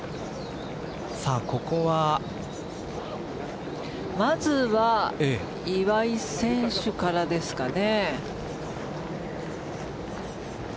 ここはまずは岩井選手からですかね。